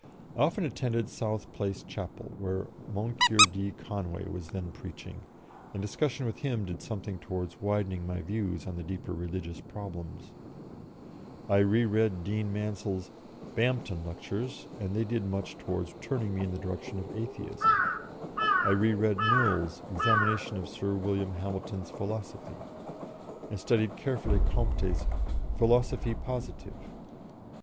I often attended South Place Chapel, where Moncure D. Conway was then preaching, and discussion with him did something towards widening my views on the deeper religious problems; I re read Dean Mansel's "Bampton Lectures," and they did much towards turning me in the direction of Atheism; I re read Mill's "Examination of Sir William Hamilton's Philosophy," and studied carefully Comte's "Philosophie Positive."